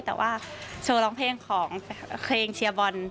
แต่ว่าโชว์ร้องเพลงของเพลงเชียร์บอล